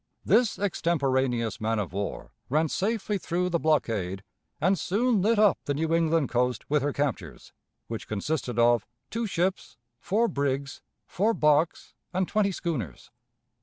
This extemporaneous man of war ran safely through the blockade, and soon lit up the New England coast with her captures, which consisted of two ships, four brigs, four barks, and twenty schooners.